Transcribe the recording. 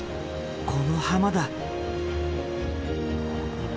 この浜だ。